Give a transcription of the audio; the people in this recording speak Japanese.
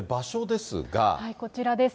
こちらです。